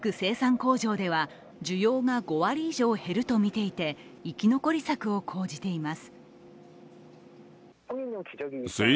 工場では需要が５割以上減るとみていて、生き残り策を講じています。